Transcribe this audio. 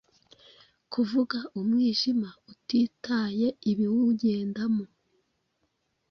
Kuvuga umwijima utitaye ibiwugwndamo